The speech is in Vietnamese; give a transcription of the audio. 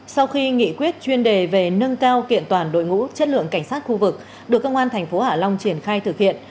sau khi nghị quyết chuyên đề về nâng cao kiện toàn đội ngũ chất lượng cảnh sát khu vực được công an thành phố hạ long triển khai thực hiện